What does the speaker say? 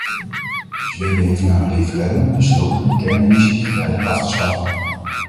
Zweden heeft na een referendum besloten de kernenergie geleidelijk af te schaffen.